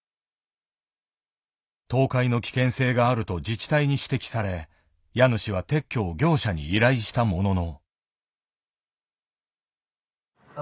倒壊の危険性があると自治体に指摘され家主は撤去を業者に依頼したものの。